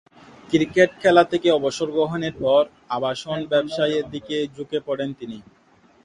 Cricket খেলা থেকে অবসর গ্রহণের পর আবাসন ব্যবসায়ের দিকে ঝুঁকে পড়েন তিনি।